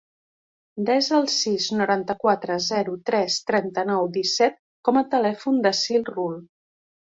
Desa el sis, noranta-quatre, zero, tres, trenta-nou, disset com a telèfon de l'Aseel Rull.